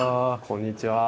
こんにちは。